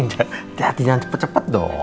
hati hati jangan cepet cepet dong